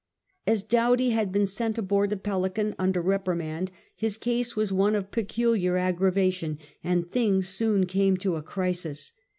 As Doughty had been sent aboard the Pelican under reprimand, his case was one of peculiar aggravation, and things soon came to a crisis.